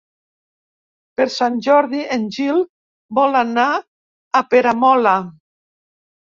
Per Sant Jordi en Gil vol anar a Peramola.